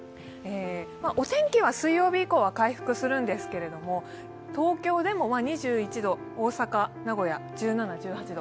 お天気は水曜日以降は回復するんですけど東京でも２１度、大阪、名古屋、１７、１８度。